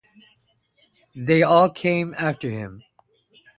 They all came after him.